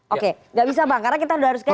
oke gak bisa bang karena kita harus ganti